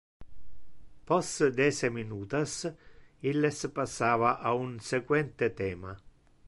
Post dece minutas illes passava a un sequente thema.